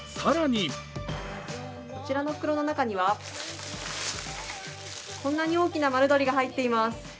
こちらの袋の中には、こんな大きな丸鶏が入っています。